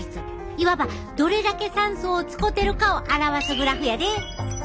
いわばどれだけ酸素を使てるかを表すグラフやで。